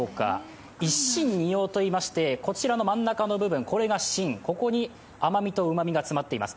一芯二葉といいましてこちらの真ん中の部分、これが芯、ここに甘みとうまみが詰まっています。